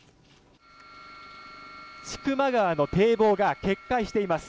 千曲川の堤防が決壊しています。